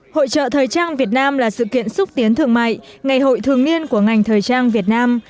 hội trợ thời trang việt nam là sự kiện xúc tiến thương mại ngày hội thường niên của ngành thời trang việt nam